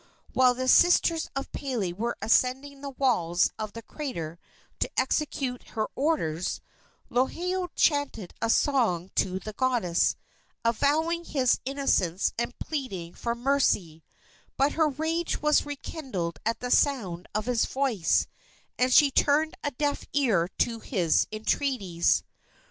While the sisters of Pele were ascending the walls of the crater to execute her orders, Lohiau chanted a song to the goddess, avowing his innocence and pleading for mercy; but her rage was rekindled at the sound of his voice, and she turned a deaf ear to his entreaties.